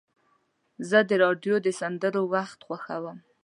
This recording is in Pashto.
زه د راډیو د سندرو وخت خوښوم.